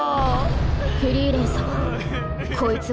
フリーレン様こいつはダメです。